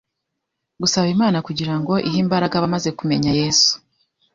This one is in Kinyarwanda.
Gusaba Imana kugirango ihe imbaraga abamaze kumenya Yesu